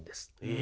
え。